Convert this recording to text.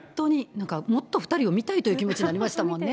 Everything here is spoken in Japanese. なんかもっと２人を見たいという気持ちになりましたもんね。